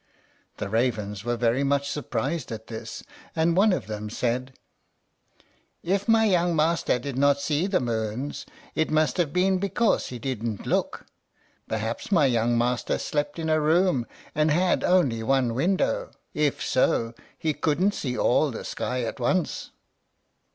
The ravens were very much surprised at this, and one of them said, "If my young master did not see the moons it must have been because he didn't look. Perhaps my young master slept in a room, and had only one window; if so, he couldn't see all the sky at once."